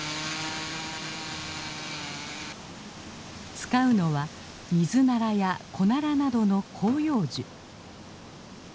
使うのはミズナラやコナラなどの広葉樹。